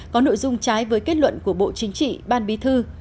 có nội dung trái với kết luận của bộ chính trị ban bí thư